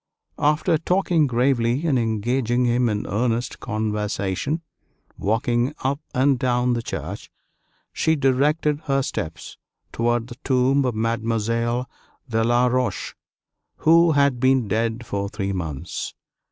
After talking gravely and engaging him in earnest conversation, walking up and down the church, she directed her steps toward the tomb of Mademoiselle de La Roche, who had been dead for three months.